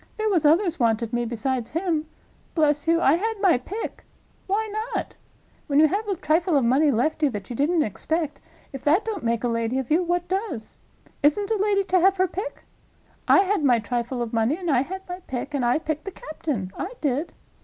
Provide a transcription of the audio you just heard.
There was others wanted me besides him. Bless you, I had my pick. Why not? When you have a trifle of money left you that you didn't expect, if that don't make a lady of you, what does? Isn't a lady to have her pick? I had my trifle of money, and I had my pick, and I picked the captain—I did.